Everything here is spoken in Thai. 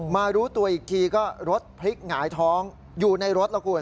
รู้ตัวอีกทีก็รถพลิกหงายท้องอยู่ในรถแล้วคุณ